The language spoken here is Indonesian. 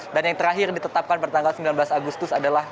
dan yang terakhir ditetapkan pada tanggal sembilan belas agustus adalah